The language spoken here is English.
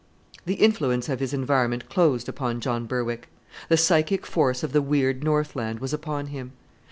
The influence of his environment closed upon John Berwick. The psychic force of the weird Northland was upon him.